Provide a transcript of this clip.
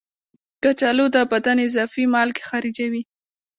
کچالو د بدن اضافي مالګې خارجوي.